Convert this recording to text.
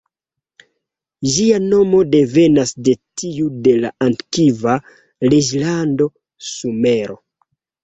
Ĝia nomo devenas de tiu de la antikva reĝlando Sumero.